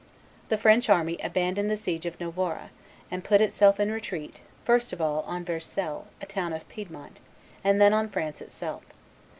The French army abandoned the siege of Novara, and put itself in retreat, first of all on Verceil, a town of Piedmont, and then on France itself.